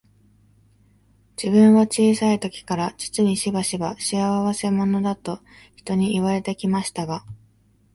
自分は小さい時から、実にしばしば、仕合せ者だと人に言われて来ましたが、